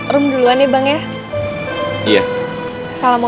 room duluan ya bang ya